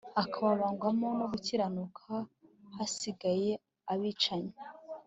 hakabagwamo no gukiranuka hasigayeabicanyi